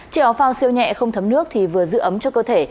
chiếc áo phao siêu nhẹ không thấm nước vừa giữ ấm cho cơ thể